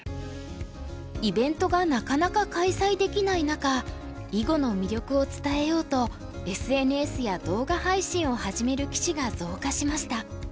イベントがなかなか開催できない中囲碁の魅力を伝えようとＳＮＳや動画配信を始める棋士が増加しました。